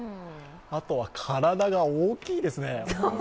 あとは体が大きいですね。